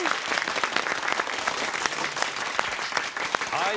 はい。